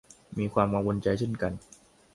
มีความกังวลใจเช่นกัน